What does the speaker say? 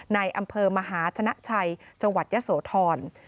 ในอำเภอมหาชนะชัยจังหวัดยะโสธร